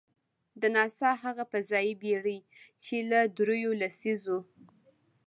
د ناسا هغه فضايي بېړۍ، چې له درېیو لسیزو .